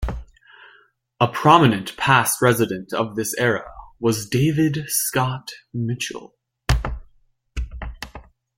A prominent past resident of this era was David Scott Mitchell.